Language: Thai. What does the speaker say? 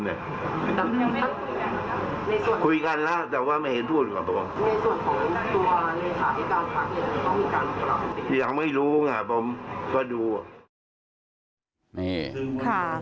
อย่างไม่รู้ผมก็ดู